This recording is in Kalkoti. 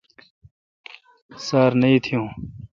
سار نہ اتییون۔